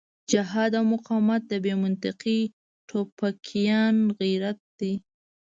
جهاد او مقاومت د بې منطقې ټوپکيان غرت دی.